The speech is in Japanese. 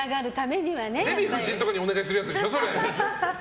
デヴィ夫人とかにお願いするやつでしょ？